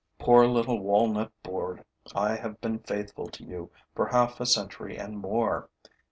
Poor little walnut board, I have been faithful to you for half a century and more.